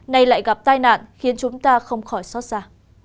nay lại gặp tai nạn khiến chúng ta không khỏi xót xa